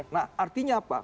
nah artinya apa